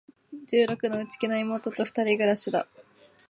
十六の、内気な妹と二人暮しだ。